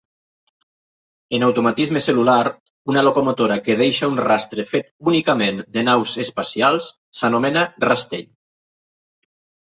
En automatisme cel·lular, una locomotora que deixa un rastre fet únicament de naus espacials s'anomena rastell.